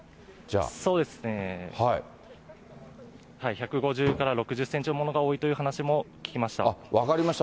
１５０から６０センチのものが多いという話も聞きました。